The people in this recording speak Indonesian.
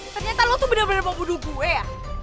ternyata lo tuh bener bener mau bodoh gue ya